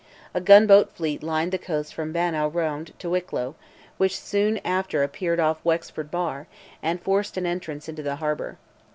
A gunboat fleet lined the coast from Bannow round to Wicklow, which soon after appeared off Wexford bar, and forced an entrance into the harbour.